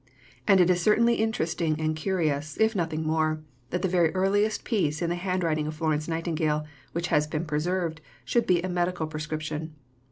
And it is certainly interesting and curious, if nothing more, that the very earliest piece in the handwriting of Florence Nightingale which has been preserved should be a medical prescription.